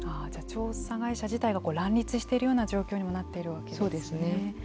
調査会社自体が乱立しているような状況にもなっているわけですね。